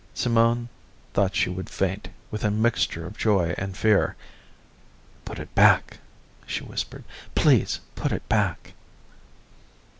Simone thought she would faint with a mixture of joy and fear. "Put it back," she whispered. "Please put it back."